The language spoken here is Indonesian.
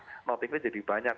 karena noltingnya jadi banyak